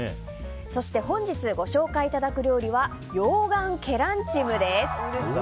そして本日ご紹介いただく料理は溶岩ケランチムです。